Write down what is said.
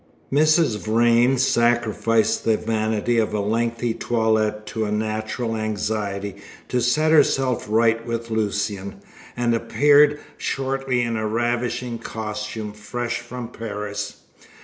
Mrs. Vrain sacrificed the vanity of a lengthy toilette to a natural anxiety to set herself right with Lucian, and appeared shortly in a ravishing costume fresh from Paris.